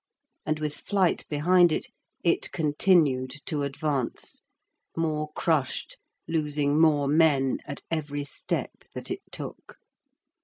and, with flight behind it, it continued to advance, more crushed, losing more men at every step that it took.